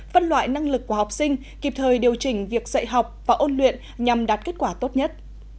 phân loại năng lực của học sinh kịp thời điều chỉnh việc dạy học và ôn luyện nhằm đạt kết quả tốt nhất